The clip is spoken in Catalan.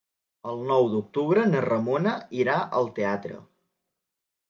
El nou d'octubre na Ramona irà al teatre.